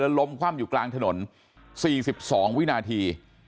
ล้มคว่ำอยู่กลางถนน๔๒วินาที